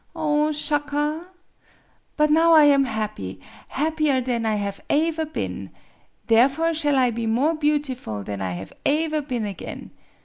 Oh, Shaka! But now I am happy happier than I have aever been. Therefore shall I be more beautiful than I have aever been again.